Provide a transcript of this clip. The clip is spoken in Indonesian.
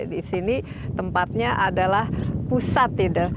disini tempatnya adalah pusat ya